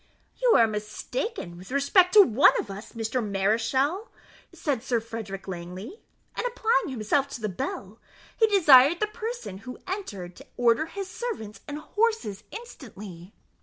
"You are mistaken with respect to one of us, Mr. Mareschal," said Sir Frederick Langley; and, applying himself to the bell, he desired the person who entered to order his servants and horses instantly.